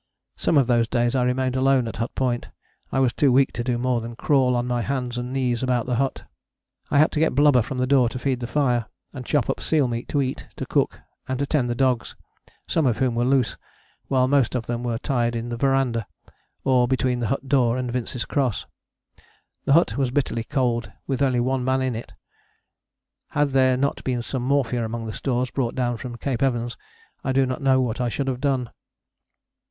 Some of those days I remained alone at Hut Point I was too weak to do more than crawl on my hands and knees about the hut. I had to get blubber from the door to feed the fire, and chop up seal meat to eat, to cook, and to tend the dogs, some of whom were loose, while most of them were tied in the verandah, or between the hut door and Vince's Cross. The hut was bitterly cold with only one man in it: had there not been some morphia among the stores brought down from Cape Evans I do not know what I should have done.